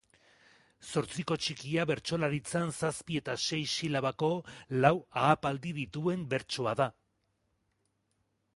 Zortziko txikia bertsolaritzan zazpi eta sei silabako lau ahapaldi dituen bertsoa da.